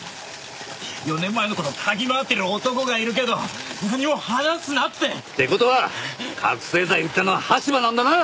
４年前の事を嗅ぎ回ってる男がいるけど何も話すなって。って事は覚醒剤を売ったのは羽柴なんだな！？